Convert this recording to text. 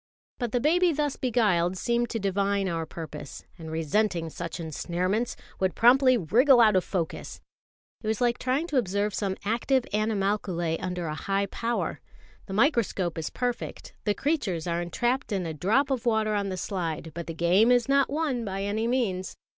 But the baby thus beguiled seemed to divine our purpose; and, resenting such ensnarements, would promptly wriggle out of focus. It was like trying to observe some active animalculæ under a high power. The microscope is perfect, the creatures are entrapped in a drop of water on the slide; but the game is not won by any means.